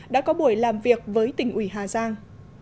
đã có buổi làm việc với tỉnh ủy hà giang